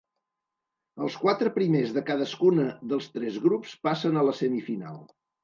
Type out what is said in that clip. Els quatre primers de cadascuna dels tres grups passen a la semifinal.